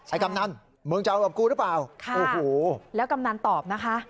กำนันมึงจะเอากับกูหรือเปล่าค่ะโอ้โหแล้วกำนันตอบนะคะ